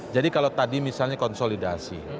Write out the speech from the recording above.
jadi kalau tadi misalnya konsolidasi